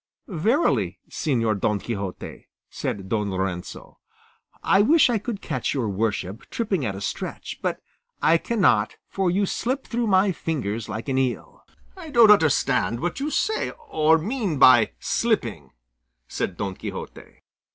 "Verily, Señor Don Quixote," said Don Lorenzo, "I wish I could catch your worship tripping at a stretch, but I cannot, for you slip through my fingers like an eel." "I don't understand what you say, or mean by slipping," said Don Quixote.